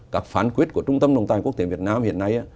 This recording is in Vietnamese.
các phán quyết của trung tâm nông tài quốc tế việt nam hiện nay